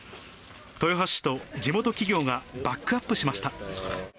豊橋市と地元企業がバックアップしました。